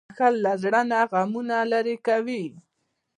• بښل له زړه نه غمونه لېرې کوي.